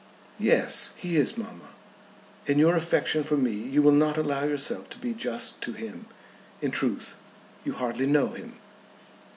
"Yes; he is, mamma. In your affection for me you will not allow yourself to be just to him. In truth you hardly know him."